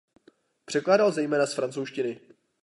Překládal zejména z francouzštiny.